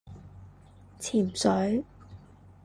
潛水